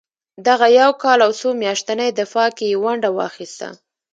دغه یو کال او څو میاشتني دفاع کې یې ونډه واخیسته.